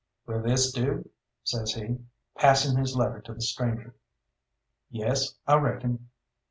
"Will this do?" says he, passing his letter to the stranger. "Yes, I reckon.